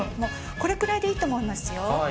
これくらいでいいと思いますよ。